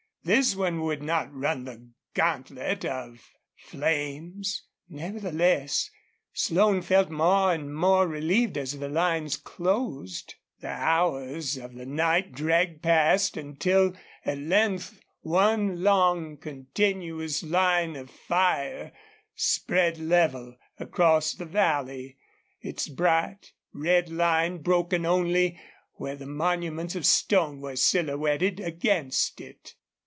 This one would not run the gantlet of flames. Nevertheless, Slone felt more and more relieved as the lines closed. The hours of the night dragged past until at length one long, continuous line of fire spread level across the valley, its bright, red line broken only where the monuments of stone were silhouetted against it.